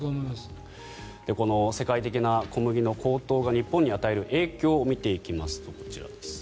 世界的な小麦の高騰が日本に与える影響を見ていきます。